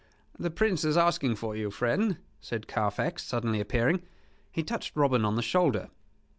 "The Prince is asking for you, friend," said Carfax, suddenly appearing. He touched Robin on the shoulder.